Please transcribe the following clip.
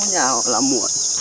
nhà họ làm muộn